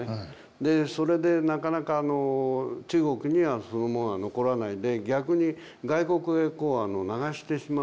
でそれでなかなか中国にはそのままは残らないで逆に外国へ流してしまうんで。